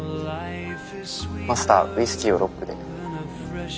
マスターウイスキーをロックで。